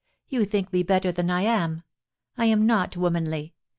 * You think me better than I am. I am not womanly.